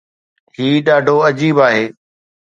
هي ڏاڍو عجيب آهي.